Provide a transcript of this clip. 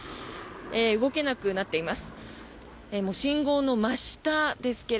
動けなくなっています。